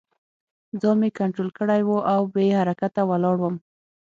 ځان مې کنترول کړی و او بې حرکته ولاړ وم